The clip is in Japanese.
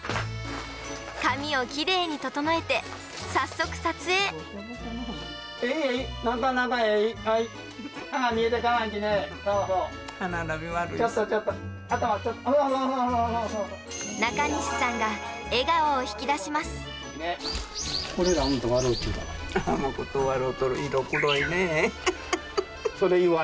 髪をきれいに整えて、早速撮えいえい、なかなかえい、はい。